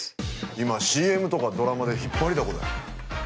今、ＣＭとかドラマで引っ張りだこだよ。